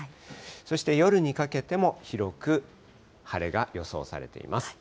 そして夜にかけても広く晴れが予想されています。